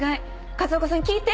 風岡さん聞いて。